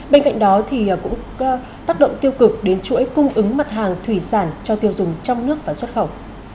bên cạnh đó thì cũng tác động tiêu cực đến chuỗi cung ứng mặt hàng thủy sản cho tiêu dùng trong nước và xuất khẩu